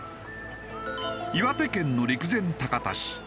岩手県の陸前高田市。